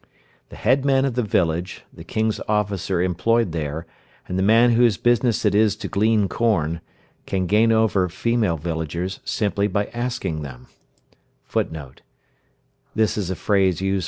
The head man of the village, the King's officer employed there, and the man whose business it is to glean corn, can gain over female villagers simply by asking them.